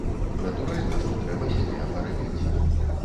Натуральна, што трэба сябе абараняць.